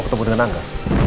aku mau ketemu dengan angga